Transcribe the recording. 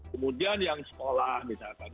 kemudian yang sekolah misalkan